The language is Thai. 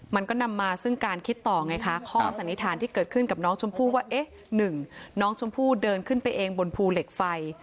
มันก็นำมาซึ่งการคิดต่อไงคะข้อสันนิษฐานที่เกิดขึ้นกับน้องชมพู่ว่าเอ๊ะ๑น้องชมพู่เดินขึ้นไปเองบนภูเหล็กไฟ